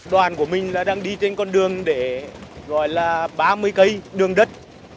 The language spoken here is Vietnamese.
đoàn của mình là đang đi trên con đường để gọi là ba mươi cây đường đất